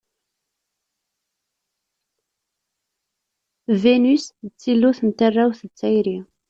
Vinus d tillut n tarrawt d tayri.